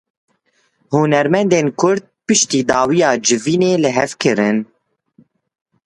Hunermendên kurd, piştî dawiya civînê li hev kirin.